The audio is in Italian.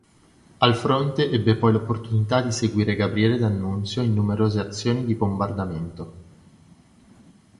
Al fronte ebbe poi l'opportunità di seguire Gabriele D'Annunzio in numerose azioni di bombardamento.